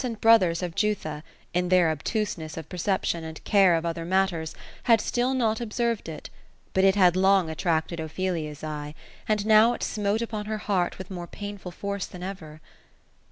217 and brothers of Jutho, in their obtusencss of perception, and care of other matters, had still not observed it : but it had long attracted Ophe lia's eye ; and now it smote upon her heart with more painful force than over.